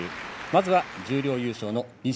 まずは十両優勝の錦